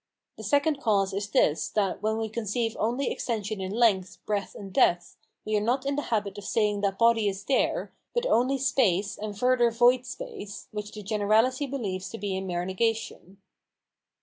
The second cause is this, that where we conceive only extension in length, breadth, and depth, we are not in the habit of saying that body is there, but only space and further void space, which the generality believe to be a mere negation.